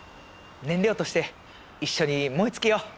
燃料として一緒に燃え尽きよう。